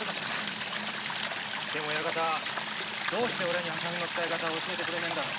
でも親方どうしておれにハサミの使い方教えてくれねえんだろ？